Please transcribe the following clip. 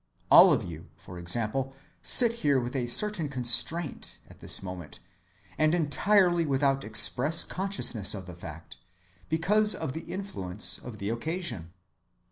All of you, for example, sit here with a certain constraint at this moment, and entirely without express consciousness of the fact, because of the influence of the occasion.